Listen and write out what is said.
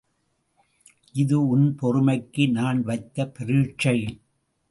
இது உன் பொறுமைக்கு நான் வைத்த பரீட்சை.